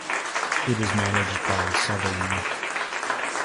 It is managed by Southern.